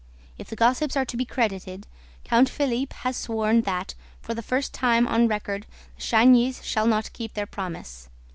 If the gossips are to be credited, Count Philippe has sworn that, for the first time on record, the Chagnys shall not keep their promise.